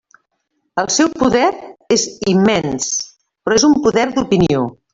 El seu poder és immens; però és un poder d'opinió.